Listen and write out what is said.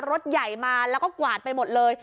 รถใหญ่มาแล้วก็กวาดไปหมดเลย